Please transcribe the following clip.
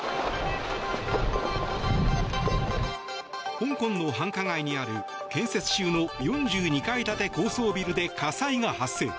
香港の繁華街にある建設中の４２階建て高層ビルで火災が発生。